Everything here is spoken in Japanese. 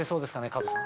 加藤さん。